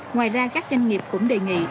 ngoài ra các doanh nghiệp cũng đề nghị